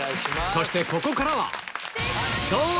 そしてここからは！